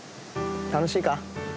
楽しいか？